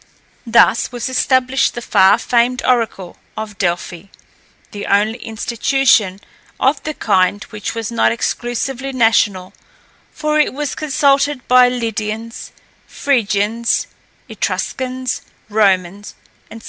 Thus was established the far famed oracle of Delphi, the only institution of the kind which was not exclusively national, for it was consulted by Lydians, Phrygians, Etruscans, Romans, &c.